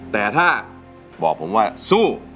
แต่ถ้าบอกผมว่าสู้